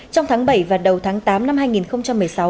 trong tháng bảy và đầu tháng tám năm hai nghìn một mươi sáu